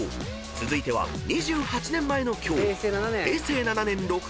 続いては２８年前の今日］